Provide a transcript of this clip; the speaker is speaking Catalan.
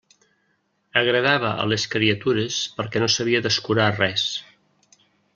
Agradava a les criatures, perquè no s'havia d'escurar res.